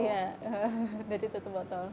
iya dari tutup botol